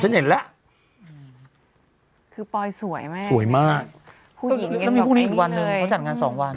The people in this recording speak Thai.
ฉันเห็นแล้วคือป้อยสวยไหมสวยมากผู้หญิงกับมีวันหนึ่งเขาจัดงานสองวัน